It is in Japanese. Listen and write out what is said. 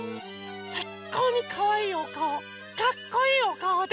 さいこうにかわいいおかおかっこいいおかおで。